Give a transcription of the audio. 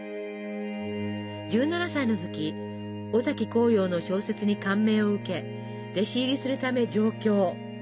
１７歳の時尾崎紅葉の小説に感銘を受け弟子入りするため上京。